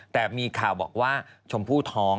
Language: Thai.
แต่มีข่าวบอกว่าชมพู่ท้อง